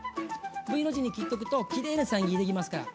Ｖの字に切っとくときれいなせん切りできますから。